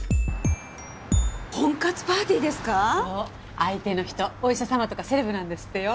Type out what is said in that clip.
相手の人お医者様とかセレブなんですってよ。